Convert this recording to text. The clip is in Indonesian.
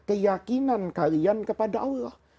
keyakinan kalian kepada allah